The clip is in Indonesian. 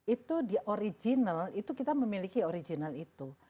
itu di original itu kita memiliki original itu